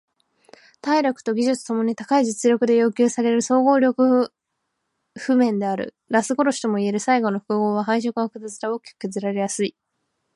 体力と技術共に高い実力で要求される総合力譜面である。ラス殺しともいえる最後の複合は配色が複雑で大きく削られやすい。